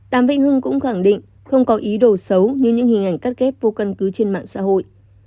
đàm vĩnh hưng cũng khẳng định không có ý đồ xấu như những hình ảnh cắt ghép vô căn cứ trên mạng xã hội